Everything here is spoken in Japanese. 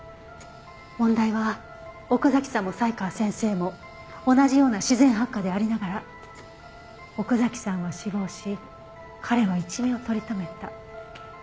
問題は奥崎さんも才川先生も同じような自然発火でありながら奥崎さんは死亡し彼は一命を取り留めた。